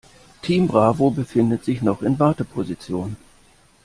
Team Bravo befindet sich noch in Warteposition.